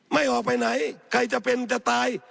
ไม่ออกไปไหนใครจะเป็นจะตาย